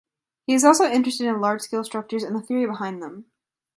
He is also interested in large scale structures and the theory behind them.